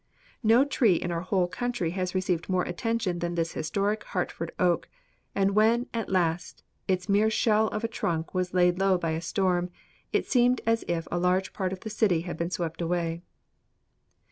No tree in our whole country has received more attention than this historic Hartford oak; and when, at last, its mere shell of a trunk was laid low by a storm, it seemed as if a large part of the city had been swept away.